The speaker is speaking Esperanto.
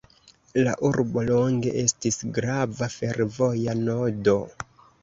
La urbo longe estis grava fervoja nodo.